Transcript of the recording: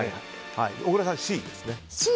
小倉さん、Ｃですね。